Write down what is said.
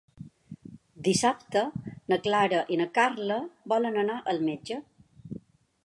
Dissabte na Clara i na Carla volen anar al metge.